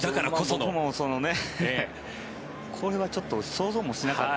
僕も、これはちょっと想像もしなかった。